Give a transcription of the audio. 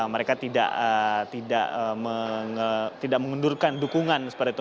mereka tidak mengundurkan dukungan seperti itu